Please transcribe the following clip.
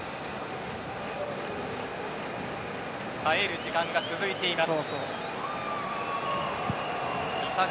耐える時間が続いています。